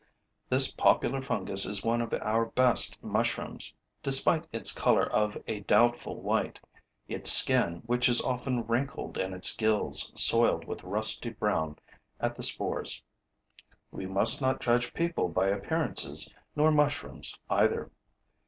This popular fungus is one of our best mushrooms, despite its color of a doubtful white, its skin which is often wrinkled and its gills soiled with rusty brown at the spores. We must not judge people by appearances, nor mushrooms either.